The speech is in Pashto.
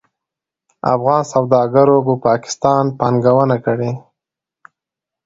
افغان سوداګرو په پاکستان پانګونه کړې.